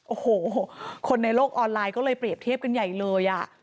โอ้โหคนในโลกออนไลน์ก็เลยเปรียบเทียบกันใหญ่เลยอ่ะ